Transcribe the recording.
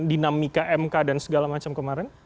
dinamika mk dan segala macam kemarin